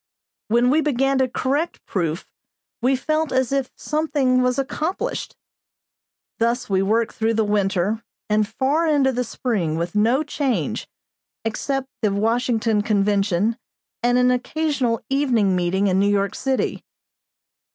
When we began to correct proof we felt as if something was accomplished. Thus we worked through the winter and far into the spring, with no change except the Washington Convention and an occasional evening meeting in New York city.